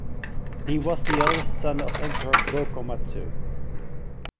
He was the eldest son of Emperor Go-Komatsu.